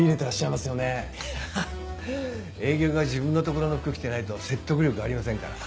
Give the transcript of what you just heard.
いや営業が自分の所の服着てないと説得力ありませんから。